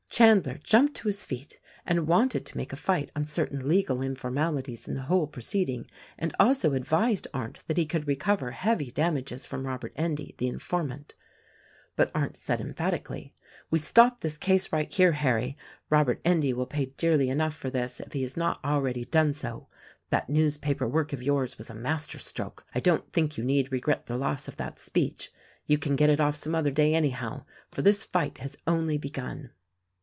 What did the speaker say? Chandler jumped to his feet and 1 wanted to make a fight on certain legal informalities in the whole proceeding, and also advised Arndt that he could recover heavy damages from Robert Endy, the informant. But Arndt said emphatically, "We stop this case right here, Harry! Robert Endy will pay dearly enough for this, if he has not already done so. "That newspaper work of yours was a masterstroke. I don't think you need regret the loss of that speech — you can get it off some other day anyhow; for this fight has only begun."